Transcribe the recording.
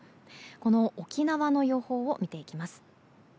この沖縄の予報を見ていきます。